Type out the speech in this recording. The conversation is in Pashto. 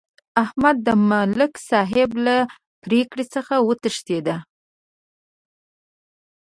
احمد د ملک صاحب له پرېکړې څخه وتښتېدا.